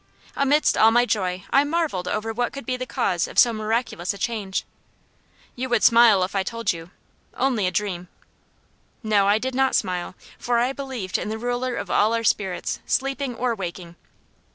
Amidst all my joy I marvelled over what could be the cause of so miraculous a change. "You would smile if I told you only a dream." No, I did not smile; for I believed in the Ruler of all our spirits, sleeping or waking.